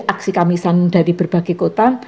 aksi kamisan dari berbagai kota